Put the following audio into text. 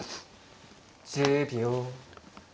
１０秒。